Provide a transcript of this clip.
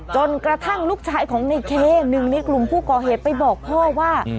จนกระทั่งลูกชายของในเคหนึ่งในกลุ่มผู้ก่อเหตุไปบอกพ่อว่า